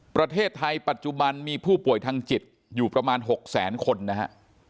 ประเทศไทยปัจจุบันมีผู้ป่วยทางจิตอยู่ประมาณ๖แสนคนนะฮะ